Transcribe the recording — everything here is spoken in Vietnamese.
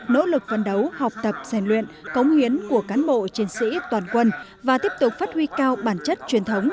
nỗ lực vận đấu học tập giành luyện cống huyến của cán bộ chiến sĩ toàn quân và tiếp tục phát huy cao bản chất truyền thống